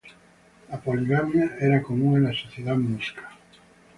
La poligamia era común en la sociedad muisca.